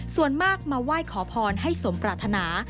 ส่วนมากมาไหว้ขอพรให้สมปรารถนา